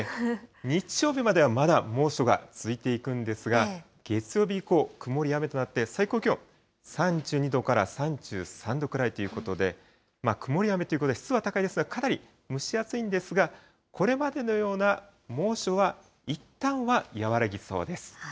日曜日まではまだ猛暑が続いていくんですが、月曜日以降、曇りや雨となって最高気温、３２度から３３度くらいということで、曇りや雨ということで、湿度は高いですが、かなり蒸し暑いんですが、これまでのような猛暑はいったんは和らぎそうです。